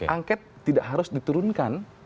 angket tidak harus diturunkan